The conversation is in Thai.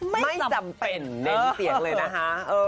ไม่จำเป็นเน้นเสียงเลยนะคะ